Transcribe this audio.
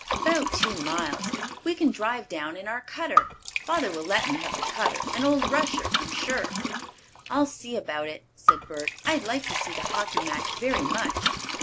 "About two miles. We can drive down in our cutter. Father will let me have the cutter and old Rusher, I'm sure." "I'll see about it," said Bert. "I'd like to see the hockey match very much."